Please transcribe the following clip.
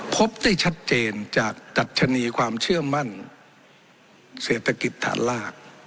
พบได้ชัดเจนจากดัชนีความเชื่อมั่นเศรษฐกิจฐานราก